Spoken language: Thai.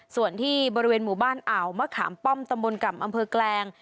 ส่วนที่บริเวณหมู่บ้านอ่าวมะขามป้อมตำบลก่ำอำเภอแกลง